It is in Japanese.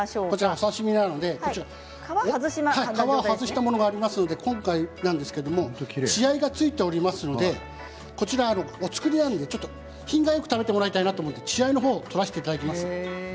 お刺身なので皮を外したものがありますので今回なんですけど血合いがついておりますのでお造りなので品がよく食べてもらいたいので血合いを取らせていただきます。